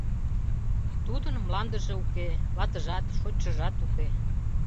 Тудын мландыже уке, ватыжат, шочшыжат уке.